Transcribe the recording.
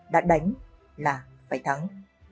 đã đánh là phải thắng